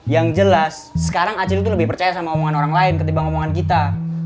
yang jelas sekarang acil itu lebih percaya sama omongan orang lain ketimbang omongan kita